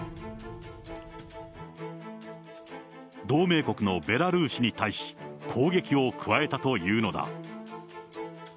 同盟国のベラルーシに対し、攻撃を加えたというのだ。